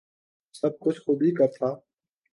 سب کچھ خود ہی کر تھا